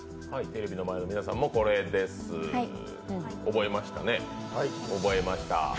テレビの前の皆さんも、これです覚えましたね。